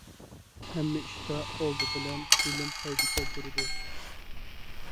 ھەممە ئىشتا ئالدى بىلەن بىلىم پايدا كەلتۈرىدۇ.